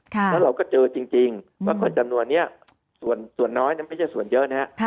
แล้วเราก็เจอจริงว่าคนจำนวนนี้ส่วนน้อยไม่ใช่ส่วนเยอะนะครับ